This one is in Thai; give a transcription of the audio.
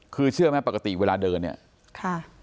คือเชื่อไหมปกติเวลาเดินเนี่ยค่ะ